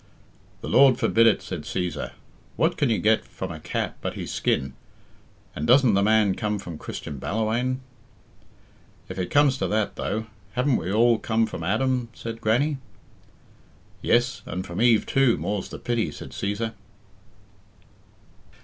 "The Lord forbid it," said Cæsar. "What can you get from a cat but his skin? And doesn't the man come from Christian Ballawhaine!" "If it comes to that, though, haven't we all come from Adam?" said Grannie. "Yes; and from Eve too, more's the pity," said Cæsar.